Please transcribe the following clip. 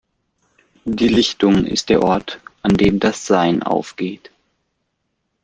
Die Lichtung ist der Ort, an dem das Sein aufgeht.